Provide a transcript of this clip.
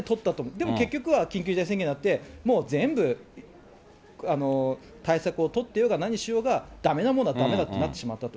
でも結局は緊急事態宣言になって、もう全部対策を取ってようが何しようがだめなものはだめだとなってしまったと。